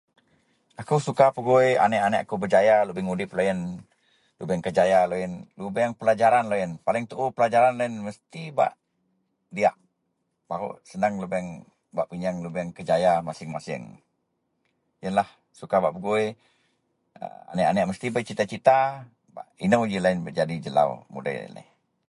Akou suka pegui aneak-aneak kou bejaya lubeang udip loyen, lubeang kejaya loyen, lubeang pelajaran loyen. Paling tuu pelajaran loyen mesti bak diyak, baruk seneng lubeang bak pinyeang lubeang kejaya masieng-masieng. Yenlah suka bak pegui aneak-aneak mesti bei cita-cita bak inou ji loyen bak jadi jelau mudei neh.